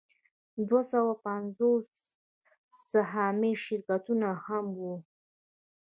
دوه سوه پنځوس سهامي شرکتونه هم وو